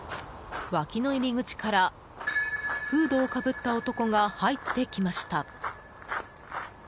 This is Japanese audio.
脇の入り口からフードをかぶった男が入ってきました。